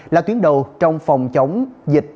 là tuyến đầu trong phòng chống dịch